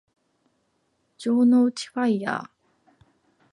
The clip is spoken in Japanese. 城之内ファイアー